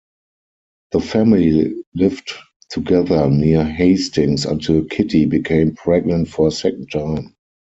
The family lived together near Hastings until Kittie became pregnant for a second time.